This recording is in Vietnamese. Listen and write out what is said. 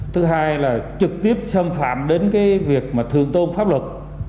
thứ hai là trực tiếp xâm phạm đến việc thường tôn pháp luật